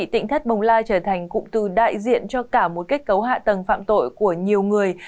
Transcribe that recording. tỉnh thất bồng lai trở thành cụm từ đại diện cho cả một kết cấu hạ tầng phạm tội của nhiều người